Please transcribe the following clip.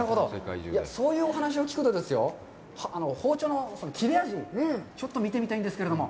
そういうお話を聞くとですよ、包丁の切れ味、ちょっと見てみたいんですけれども。